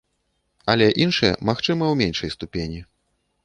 Але іншыя, магчыма, у меншай ступені.